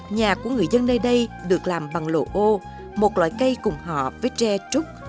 nhà của người dân nơi đây được làm bằng lộ ô một loại cây cùng họ với tre trúc